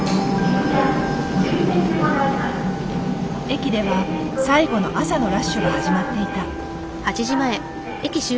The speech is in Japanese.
駅では最後の朝のラッシュが始まっていた。